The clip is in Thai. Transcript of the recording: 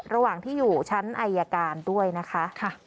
ระหว่างที่อยู่ชั้นอายการด้วยนะคะ